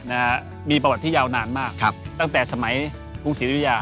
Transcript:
นะฮะมีประวัติที่ยาวนานมากครับตั้งแต่สมัยกรุงศรียุยา